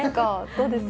どうです？